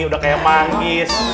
udah kayak manggis